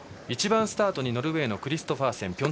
１番スタートにノルウェーのクリストファーセン。